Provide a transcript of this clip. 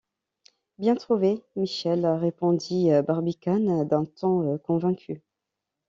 Bien trouvé, Michel, répondit Barbicane d’un ton convaincu.